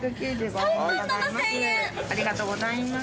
ありがとうございます。